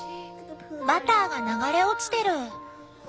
バターが流れ落ちてる！